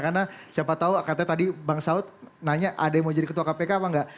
karena siapa tahu katanya tadi bang saud nanya ada yang mau jadi ketua kpk apa nggak